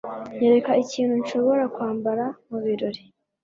Nyereka ikintu nshobora kwambara mubirori.